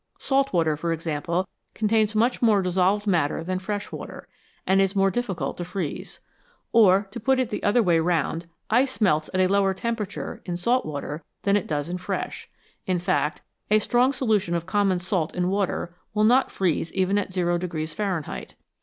Salt water, for example, contains much more dissolved matter than fresh water, and is more difficult to freeze ; or, to put it the other way round, ice melts at a lower temperature in salt water than it does in fresh ; in fact, a strong solution of common salt in water will not freeze even at Fahrenheit.